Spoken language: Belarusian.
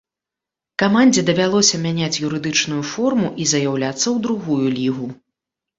Камандзе давялося мяняць юрыдычную форму і заяўляцца ў другую лігу.